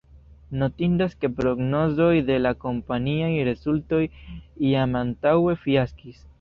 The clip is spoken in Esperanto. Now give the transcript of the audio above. Notindas, ke prognozoj de la kompaniaj rezultoj jam antaŭe fiaskis.